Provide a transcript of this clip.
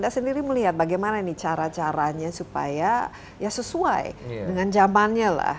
saya sendiri melihat bagaimana ini cara caranya supaya ya sesuai dengan zamannya lah